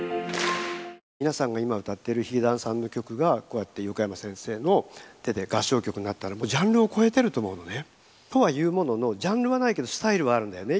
皆さんが今歌ってるヒゲダンさんの曲がこうやって横山先生の手で合唱曲になったらもうジャンルを超えてると思うのね。とはいうもののなのでこれはよくこれからまた練習するといいね。